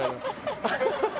ハハハハ！